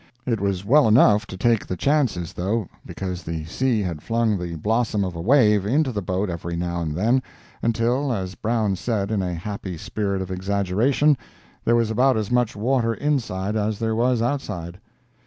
It was well enough to take the chances, though, because the sea had flung the blossom of a wave into the boat every now and then, until, as Brown said in a happy spirit of exaggeration, there was about as much water inside as there was outside.